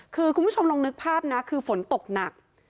คือคุณผู้ชมลองนึกภาพนะคือฝนตกหนัก